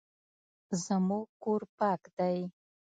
زموږ کور پاک دی